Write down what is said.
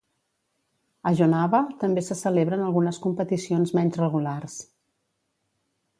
A Jonava també se celebren algunes competicions menys regulars.